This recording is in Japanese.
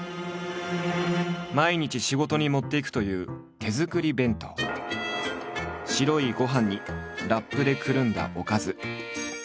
毎日仕事に持っていくという白いご飯にラップでくるんだおかず。